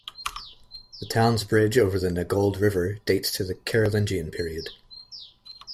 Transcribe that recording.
The town's bridge over the Nagold River dates to the Carolingian period.